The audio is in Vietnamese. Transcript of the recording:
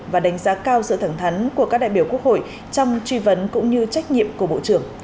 và đánh giá cao sự thẳng thắn của các đại biểu quốc hội trong truy vấn cũng như trách nhiệm của bộ trưởng